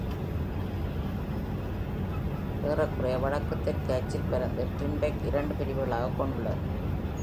ஏறக்குறைய வடக்கு-தெற்கு அச்சில் பரந்து, டர்ன்பைக் இரண்டு பிரிவுகளாக உள்ளது.